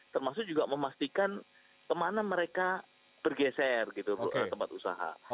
termasuk juga memastikan kemana mereka bergeser gitu tempat usaha